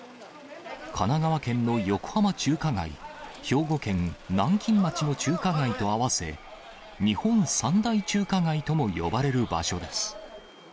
神奈川県の横浜中華街、兵庫県南京町の中華街と合わせ、日本三大中華街とも呼ばれる場所です。